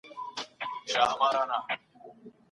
له خپلي ویري څخه مه وېرېږئ.